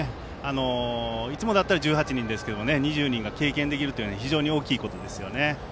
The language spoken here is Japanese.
いつもだったら１８人ですけど２０人が経験できるというのは非常に大きいことですよね。